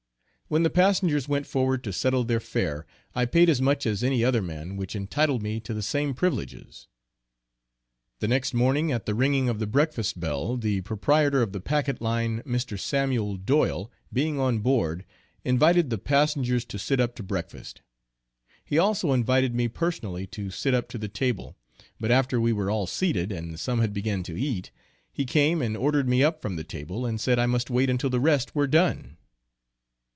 When the passengers went forward to settle their fare I paid as much as any other man, which entitled me to the same privileges. The next morning at the ringing of the breakfast bell, the proprietor of the packet line, Mr. Samuel Doyle, being on board, invited the passengers to sit up to breakfast. He also invited me personally to sit up to the table. But after we were all seated, and some had began to eat, he came and ordered me up from the table, and said I must wait until the rest were done.